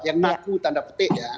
yang naku tanda petik ya